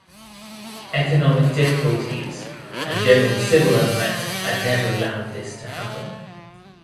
Economic difficulties and general civil unrest had never allowed this to happen.